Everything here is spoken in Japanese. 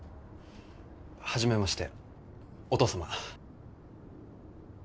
初めましてお父様。